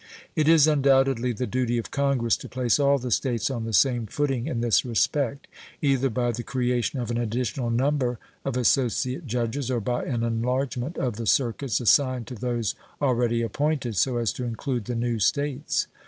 It is undoubtedly the duty of Congress to place all the States on the same footing in this respect, either by the creation of an additional number of associate judges or by an enlargement of the circuits assigned to those already appointed so as to include the new States.